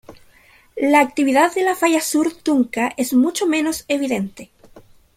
La actividad de la falla sur-Tunka es mucho menos evidente.